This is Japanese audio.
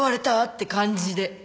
って感じで。